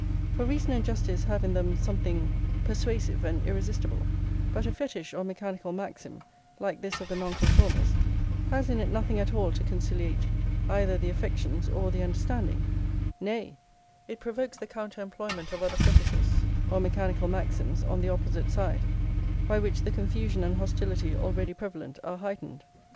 For reason and justice have in them something persuasive and irresistible; but a fetish or mechanical maxim, like this of the Nonconformists, has in it nothing at all to conciliate either the affections or the understanding; nay, it provokes the counter employment of other fetishes or mechanical maxims on the opposite side, by which the confusion and hostility already prevalent are heightened.